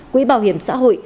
quỹ bảo hiểm xã hội